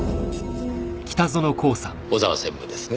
尾沢専務ですね。